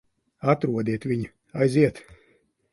Atrodiet viņu. Aiziet!